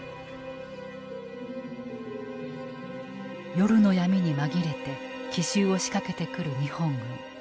夜の闇に紛れて奇襲を仕掛けてくる日本軍。